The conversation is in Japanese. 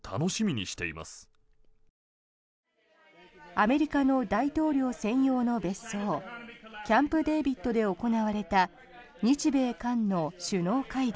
アメリカの大統領専用の別荘キャンプデービッドで行われた日米韓の首脳会談。